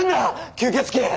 吸血鬼！